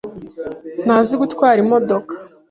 Ntazi gutwara imodoka.